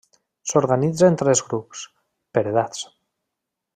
S'organitza en tres grups, per edats.